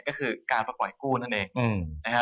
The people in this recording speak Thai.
ก็คือการมาปล่อยกู้นั่นเองนะฮะ